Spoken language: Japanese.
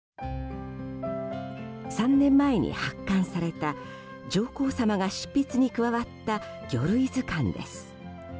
３年前に発刊された上皇さまが執筆に加わった魚類図鑑です。